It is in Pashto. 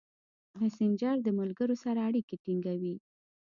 مسېنجر د ملګرو سره اړیکې ټینګوي.